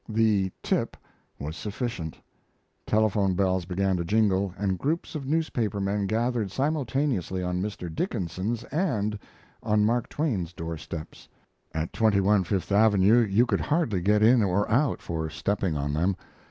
The "tip" was sufficient. Telephone bells began to jingle, and groups of newspaper men gathered simultaneously on Mr. Dickinson's and on Mark Twain's door steps. At a 21 Fifth Avenue you could hardly get in or out, for stepping on them.